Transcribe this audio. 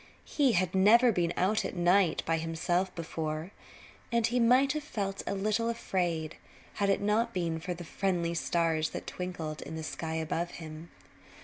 He had never been out at night by himself before, and he might have felt a little afraid had it not been for the friendly stars that twinkled in the sky above him.